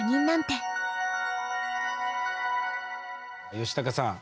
ヨシタカさん